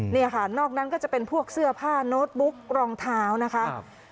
นี่ค่ะนอกนั้นก็จะเป็นพวกเสื้อผ้าโน้ตบุ๊กรองเท้านะคะ